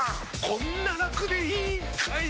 こんなラクでいいんかい！